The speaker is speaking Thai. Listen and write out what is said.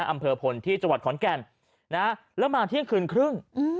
อำเภอพลที่จังหวัดขอนแก่นแล้วมาเที่ยงคืนครึ่ง